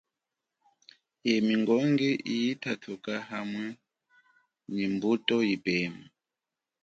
Ye mingongi iyi tatuka haminde ni mbuto yipema.